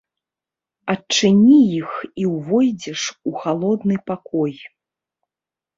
Адчыні іх і ўвойдзеш у халодны пакой.